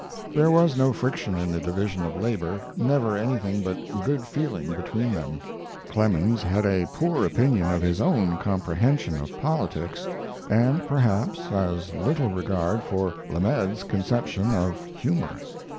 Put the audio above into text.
There was no friction in the division of labor, never anything but good feeling between them. Clemens had a poor opinion of his own comprehension of politics, and perhaps as little regard for Lamed's conception of humor.